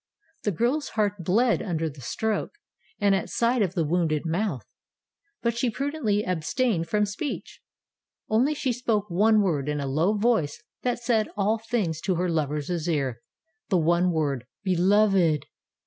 The girl's heart bled under the stroke and at sight of the wounded mouth, but she prudently abstained from speech. Only she spoke one word in a low voice that said all things to her lover's ear, the one word "Beloved!"